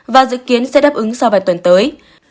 và dự kiến sẽ đáp ứng sau vài tuần tới